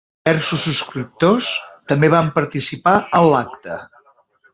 Diversos subscriptors també van participar en l'acte.